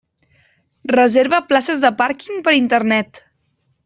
Reserva places de pàrquing per Internet.